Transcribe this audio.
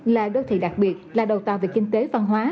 là đô thị đặc biệt là đầu tàu về kinh tế văn hóa